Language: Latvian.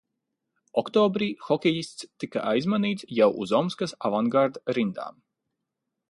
"Oktobrī hokejists tika aizmainīts jau uz Omskas "Avangard" rindām."